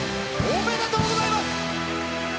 おめでとうございます。